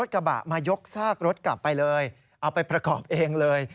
กลับกลับไปเลยเอาไปประกอบเองเลย